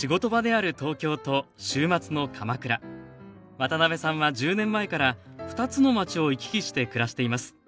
渡辺さんは１０年前から２つの町を行き来して暮らしています。